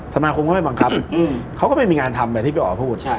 สมาคมก็ไม่บังคับเขาก็ไม่มีงานทำแบบที่พี่อ๋อพูด